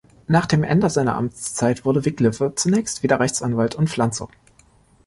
Nach dem Ende seiner Amtszeit wurde Wickliffe zunächst wieder Rechtsanwalt und Pflanzer.